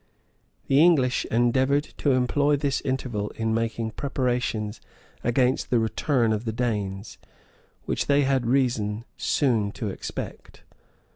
The English endeavored to employ this interval in making preparations against the return of the Danes, which they had reason soon to expect.